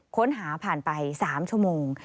ค้นหาผ่านไป๓ชั่วโมง